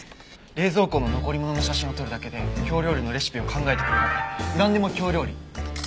冷蔵庫の残り物の写真を撮るだけで京料理のレシピを考えてくれるアプリ「なんでも京料理」。